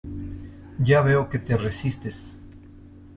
Ya veo que te resistes.